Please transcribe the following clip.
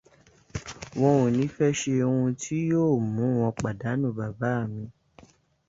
Wọn ò ní fé ṣe ohun tí yóó mú wọn pàdánù bàbá mi.